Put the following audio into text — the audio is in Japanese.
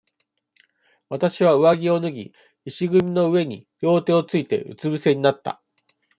私は、上着を脱ぎ、石組みの上に両手をついて、うつ伏せになった。